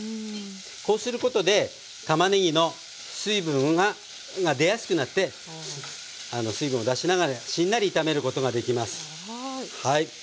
こうすることでたまねぎの水分が出やすくなって水分を出しながらしんなり炒めることができます。